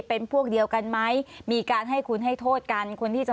เป็นพวกเดียวกันไหมมีการให้คุณให้โทษกันคนที่จะ